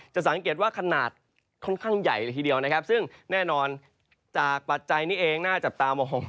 จะสังเกตว่าขนาดค่อนข้างใหญ่เลยทีเดียวนะครับซึ่งแน่นอนจากปัจจัยนี้เองน่าจับตามอง